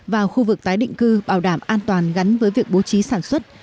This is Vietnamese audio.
vào khu vực tái định cư bảo đảm an toàn gắn với việc bố trí sản xuất